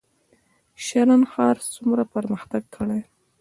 شرن ښار څومره پرمختګ کړی؟